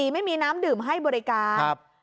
ไม่มีน้ำดื่มให้บริการ